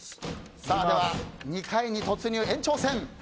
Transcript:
では２回に突入、延長戦。